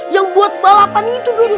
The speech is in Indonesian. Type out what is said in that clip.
yang buat balapan itu dulu